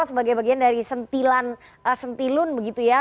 sebagai bagian dari sentilan sentilun begitu ya